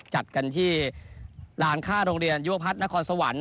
จัดกันที่หลานค่าโรงเรียนยั่วพรรดินครนครสวรรค์